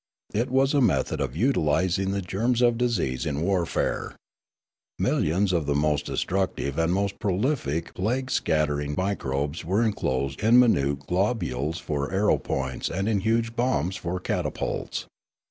It was a method of utilising the germs of disease in warfare. Millions of the most destructive and most prolific plague scat tering microbes were inclosed in minute globules for arrow points and in huge bombs for catapults.